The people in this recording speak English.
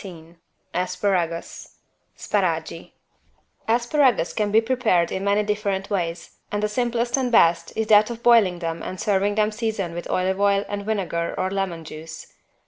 114 ASPARAGUS (Sparagi) Asparagus can be prepared in many different ways, but the simplest and best is that of boiling them and serving them seasoned with olive oil and vinegar or lemon juice.